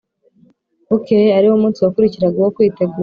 Bukeye ari wo munsi wakurikiraga uwo Kwitegura